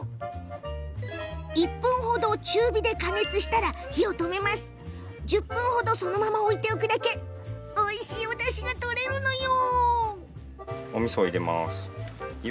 １分ほど中火で加熱したら火を止め１０分ほどそのまま置いておくだけおいしいおだしが取れるの。